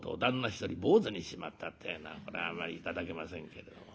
一人坊主にしちまったってえのはこれはあまり頂けませんけれども。